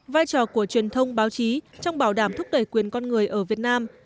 vai trò của truyền thông báo chí trong bảo đảm thúc đẩy quyền con người ở việt nam